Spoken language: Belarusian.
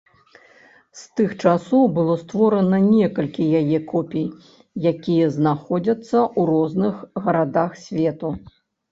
З тых часоў было створана некалькі яе копій, якія знаходзяцца ў розных гарадах свету.